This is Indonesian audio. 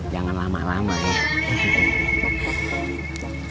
jangan lama lama ya